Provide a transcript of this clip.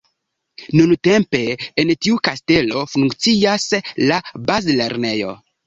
Nuntempe en tiu kastelo funkcias la bazlernejo.